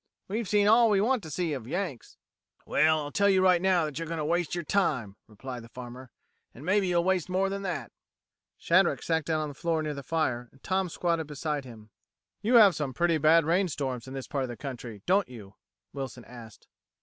We've seen all we want to see of Yanks." "Well, I'll tell you right now that you're going to waste yer time," replied the farmer. "An' maybe you'll waste more than that." Shadrack sat down on the floor near the fire, and Tom squatted beside him. "You have some pretty bad rainstorms in this part of the country, don't you?" Wilson asked.